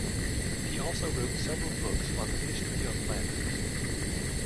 He also wrote several books on the history of Flanders.